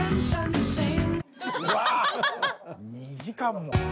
２時間も。